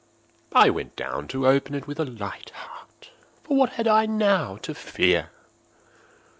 I went down to open it with a light heart,—for what had I now to fear?